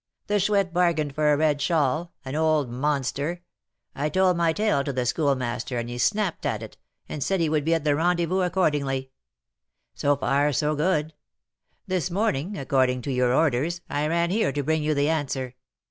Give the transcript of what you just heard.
The Chouette bargained for a red shawl, an old monster! I told my tale to the Schoolmaster and he snapped at it, and said he would be at the rendezvous accordingly. So far so good. This morning, according to your orders, I ran here to bring you the answer.